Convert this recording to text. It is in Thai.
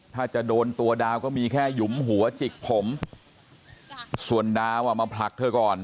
ถ้าจะโดนตัวดาวก็มีแค่หยุมหัวจิกผมส่วนดาวอ่ะมาผลักเธอก่อน